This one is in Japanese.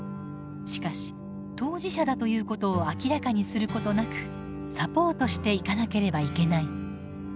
しかし当事者だということを明らかにすることなくサポートしていかなければいけない。